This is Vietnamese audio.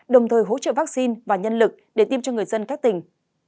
đồng thời hỗ trợ vaccine và nhân lực để tiêm cho người dân các tỉnh